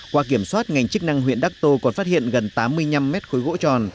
qua kiểm soát ngành chức năng huyện đắc tô còn phát hiện gần tám mươi năm mét khối gỗ tròn